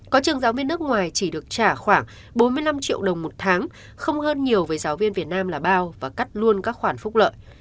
có trường giáo viên nước ngoài chỉ được trả khoảng bốn mươi năm triệu đồng một tháng không hơn nhiều với giáo viên việt nam là bao và cắt luôn các khoản phúc lợi